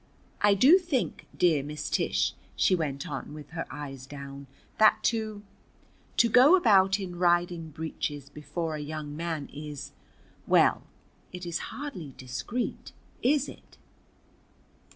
"I do think, dear Miss Tish," she went on with her eyes down, "that to to go about in riding breeches before a young man is well, it is hardly discreet, is it?"